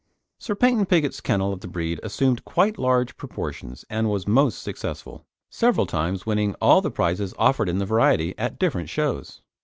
Sir Paynton Pigott's kennel of the breed assumed quite large proportions, and was most successful, several times winning all the prizes offered in the variety at different shows.